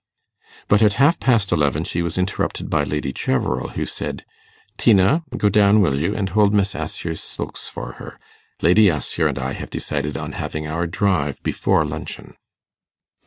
But at half past eleven she was interrupted by Lady Cheverel, who said, 'Tina, go down, will you, and hold Miss Assher's silks for her. Lady Assher and I have decided on having our drive before luncheon.